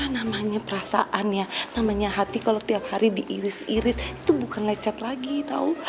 namanya perasaan ya namanya hati kalau tiap hari diiris iris itu bukan lecet lagi tau